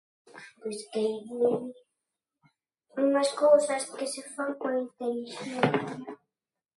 Pois que [non claro] máis cousas que se fan coa intelixencia.